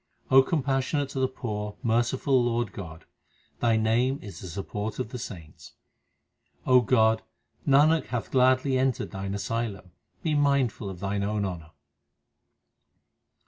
O compassionate to the poor, merciful Lord God, Thy name is the support of the saints. O God, Nanak hath gladly entered Thine asylum ; be mindful of Thine own honour.